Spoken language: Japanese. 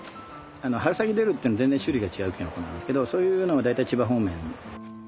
あの春先出るっていうのは全然種類が違うきのこなんですけどそういうのは大体千葉方面。